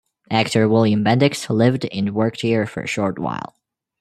Actor William Bendix lived and worked here for a short while.